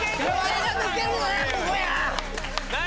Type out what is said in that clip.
何？